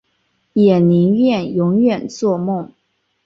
也宁愿永远作梦